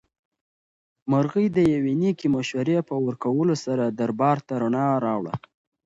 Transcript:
مرغۍ د یوې نېکې مشورې په ورکولو سره دربار ته رڼا راوړه.